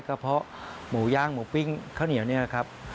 ก็เพราะหมูย่างหมูปิ้งข้าวเหนียวนี่แหละครับ